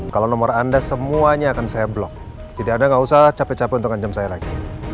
kalau nomor anda semuanya akan saya blok jadi anda nggak usah capek capek untuk ngancam saya lagi